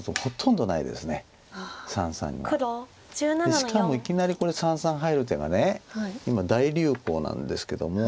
しかもいきなりこれ三々入る手が今大流行なんですけども。